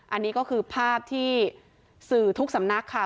อันนี้ก็คือภาพที่สื่อทุกสำนักค่ะ